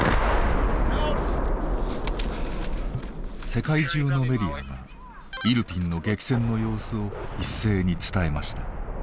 世界中のメディアがイルピンの激戦の様子を一斉に伝えました。